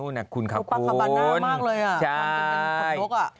ข้างหลังนั้นคุณคามน์ตกผลาภัณฑ์หน้ากรุ่น